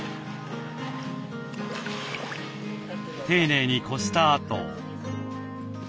丁寧にこしたあと。